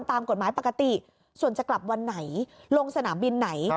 ตามกฎหมายปกติส่วนจะกลับวันไหนลงสนามบินไหน